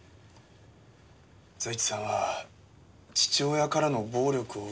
財津さんは父親からの暴力を受けて育ちました。